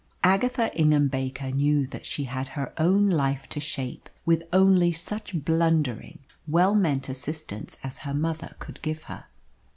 Agatha Ingham Baker knew that she had her own life to shape, with only such blundering, well meant assistance as her mother could give her.